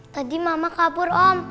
tadi mama kabur om